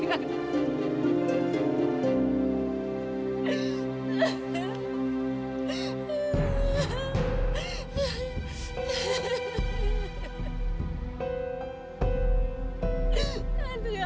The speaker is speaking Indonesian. nggak mau dengar